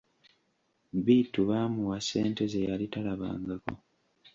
Bittu baamuwa ssente ze yali talabangako.